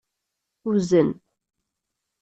Wzen.